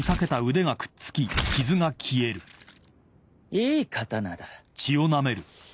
いい刀だ。